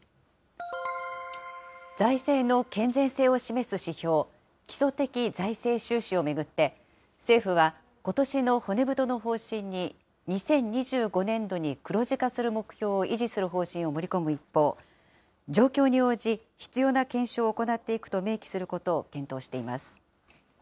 財政の健全性を示す指標、基礎的財政収支を巡って、政府はことしの骨太の方針に、２０２５年度に黒字化する目標を維持する方針を盛り込む一方、状況に応じ、必要な検証を行っていくと明記することを検討しています。